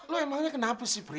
lo emangnya kenapa sih prin